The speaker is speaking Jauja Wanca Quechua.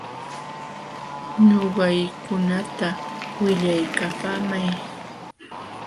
Ñuqaykunata willaykapaamay.